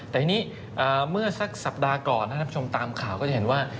แต่ทีนี้เมื่อสักสัปดาห์ก่อนท่านผู้ชมตามข่าวก็จะเห็นว่า